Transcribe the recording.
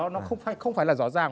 nó không phải là rõ ràng